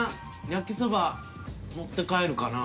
焼そば持って帰るかな。